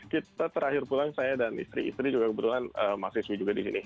kita terakhir pulang saya dan istri istri juga kebetulan mahasiswi juga di sini